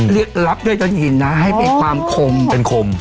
เล็กลับด้วยตอนหิญนะให้เป็นความคม